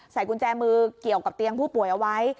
กุญแจมือเกี่ยวกับเตียงผู้ป่วยเอาไว้